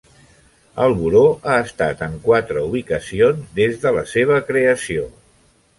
El Bureau ha estat en quatre ubicacions des de la seva creació.